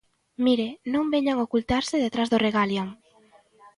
Mire, non veñan ocultarse detrás do Regaliam.